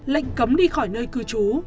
lệnh cấm đi khỏi nơi cư trú